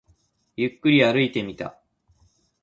ゆっくり歩いてみた